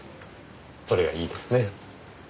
それはいいですね。